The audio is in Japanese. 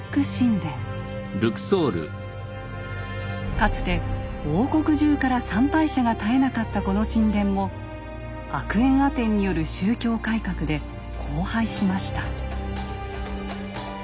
かつて王国中から参拝者が絶えなかったこの神殿もアクエンアテンによる宗教改革で荒廃しました。